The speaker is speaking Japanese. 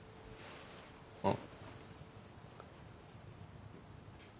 うん。